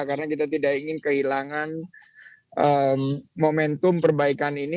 karena kita tidak ingin kehilangan momentum perbaikan ini